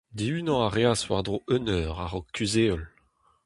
Dihunañ a reas war-dro un eur a-raok kuzh-heol.